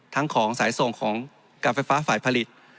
ของสายส่งของการไฟฟ้าฝ่ายผลิต